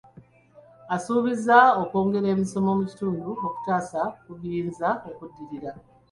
Asuubiza okwongera emisomo mu kitundu, okutaasa ku biyinza okuddirira.